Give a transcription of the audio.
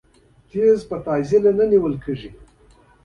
د رژیم مشري یې په لاس کې واخیسته.